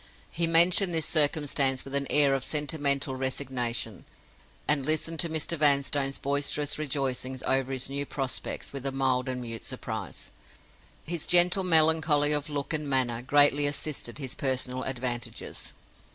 He mentioned this circumstance with an air of sentimental resignation; and listened to Mr. Vanstone's boisterous rejoicings over his new prospects with a mild and mute surprise. His gentle melancholy of look and manner greatly assisted his personal advantages.